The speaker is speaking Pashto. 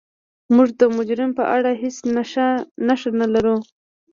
موږ د مجرم په اړه هیڅ نښه نلرو.